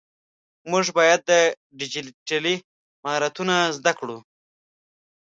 مونږ باید ډيجيټلي مهارتونه زده کړو.